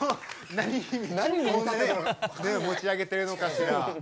何を持ち上げてるのかしら。